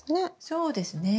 そうですね。